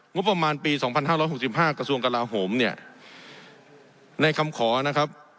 งบประมาณปีสองพันห้าร้อยหกสิบห้ากระทรวงกราหงษ์เนี้ยในคำขอนะครับ